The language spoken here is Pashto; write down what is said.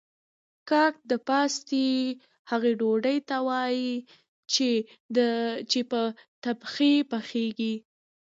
کاک د پاستي هغې ډوډۍ ته وايي چې په تبخي پخیږي